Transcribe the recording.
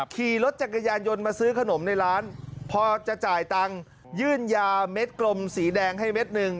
ขี่รถจักรยานยนต์มาซื้อขนมในร้านพอจะจ่ายตังค์ยื่นยาเม็ดกลมสีแดงให้เม็ดหนึ่ง